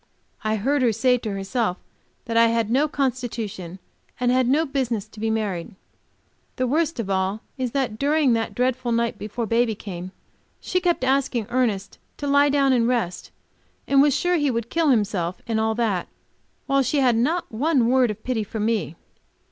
I heard her say to herself, that I had no constitution and had no business to get married. The worst of all is that during that dreadful night before baby came, she kept asking Ernest to lie down and rest, and was sure he would kill himself, and all that, while she had not one word of pity for me.